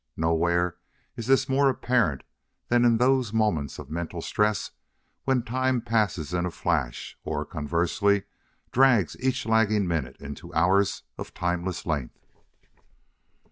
Nowhere is this more apparent than in those moments of mental stress when time passes in a flash or, conversely, drags each lagging minute into hours of timeless length.